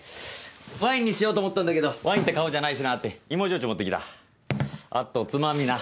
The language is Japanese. ワインにしようと思ったんだけどワインって顔じゃないしなって芋焼酎持ってきたあとつまみな。